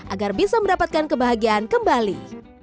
agar bisa mendapatkan kebahagiaan kembali